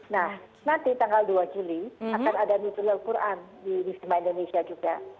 nah nanti tanggal dua juli akan ada nutulal quran di wisma indonesia juga